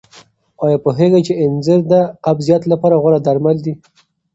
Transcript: آیا پوهېږئ چې انځر د قبضیت لپاره غوره درمل دي؟